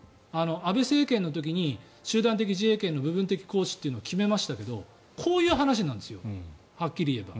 安倍政権の時に集団的自衛権の部分的行使というのを決めましたけどこういう話なんですよはっきり言えば。